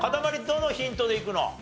どのヒントでいくの？